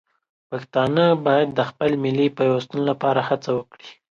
پښتانه باید د خپل ملي پیوستون لپاره هڅه وکړي.